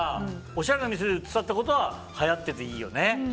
おしゃれな店で売ってたってことははやってていいよね。